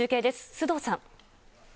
須藤さん。